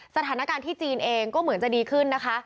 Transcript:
สถานการณ์ที่จีนเองก็เหมือนจะดีขึ้นนะคะ